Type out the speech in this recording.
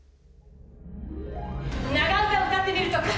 長唄うたってみるとか。